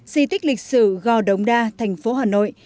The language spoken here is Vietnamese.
di tích lịch sử gò đống đa thành phố hà nội